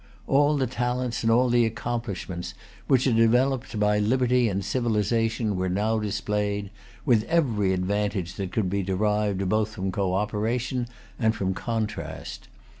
All the talents and all the accomplishments which are developed by liberty and civilization were now displayed, with every advantage that could be derived both from coöperation and from contrast.